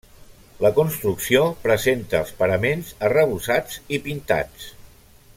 La construcció presenta els paraments arrebossats i pintats.